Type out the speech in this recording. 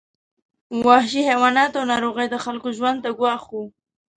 وحشي حیوانات او ناروغۍ د خلکو ژوند ته ګواښ وو.